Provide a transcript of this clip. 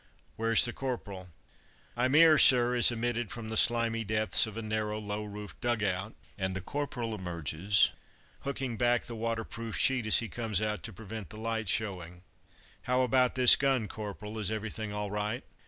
"Where's the corporal?" "I'm 'ere, sir," is emitted from the slimy depths of a narrow low roofed dug out, and the corporal emerges, hooking back the waterproof sheet as he comes out to prevent the light showing. "How about this gun, Corporal is everything all right?"